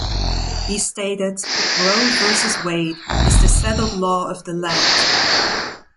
He stated: "Roe versus Wade" is the settled law of the land.